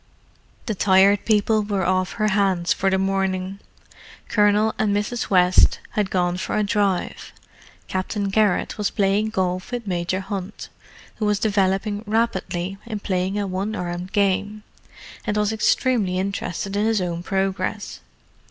The Tired People were off her hands for the morning. Colonel and Mrs. West had gone for a drive; Captain Garrett was playing golf with Major Hunt, who was developing rapidly in playing a one armed game, and was extremely interested in his own progress.